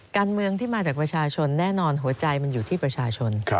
การเมืองที่มาจากประชาชนแน่นอนหัวใจมันอยู่ที่ประชาชน